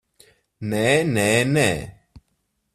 Nē, nē, nē!